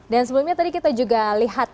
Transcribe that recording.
dan sebelumnya tadi kita juga lihat